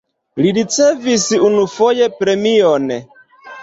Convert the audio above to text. Li ricevis unufoje premion.